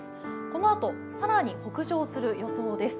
このあと、更に北上する予想です。